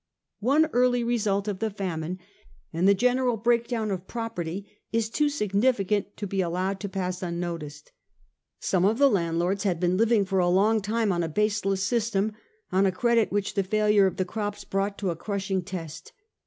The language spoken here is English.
One early result of the famine and the ge neral breakdown of property is too significant to be allowed to pass unnoticed. Some of the landlords had been living for a long time on a baseless system, on a credit which the failure of the crops brought to a crushing test.